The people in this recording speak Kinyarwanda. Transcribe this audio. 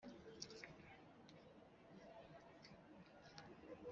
Nta kibi nakoreye Abayahudi